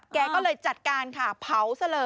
เราก็เลยจัดการขาผาวแล้ว